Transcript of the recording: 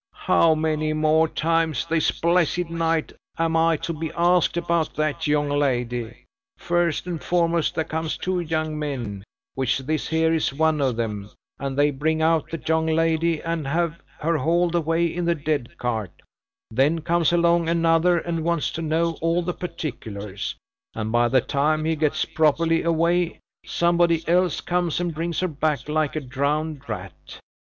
"How many more times this blessed night am I to be asked about that young lady. First and foremost, there comes two young men, which this here is one of them, and they bring out the young lady and have her hauled away in the dead cart; then comes along another and wants to know all the particulars, and by the time he gets properly away, somebody else comes and brings her back like a drowned rat.